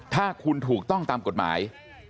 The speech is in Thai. ถ้าคุณถูกต้องตามกฎหมาย